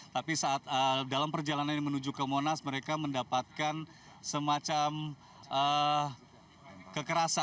tapi saat dalam perjalanan menuju ke monas mereka mendapatkan semacam kekerasan